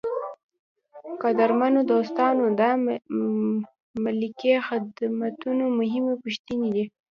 قدرمنو دوستانو دا د ملکي خدمتونو مهمې پوښتنې دي.